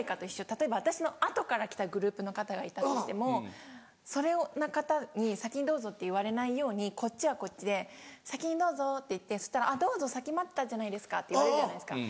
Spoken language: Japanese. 例えば私の後から来たグループの方がいたとしてもそれの方に「先にどうぞ」って言われないようにこっちはこっちで「先にどうぞ」って言ってそしたら「先に待ってたじゃないですか」って言われるじゃないですか。